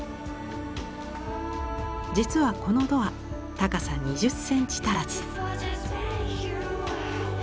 実はこのドア高さ２０センチ足らず。